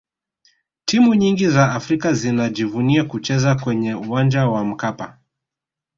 timu nyingi za afrika zinajivunia kucheza kwenye uwanja wa mkapa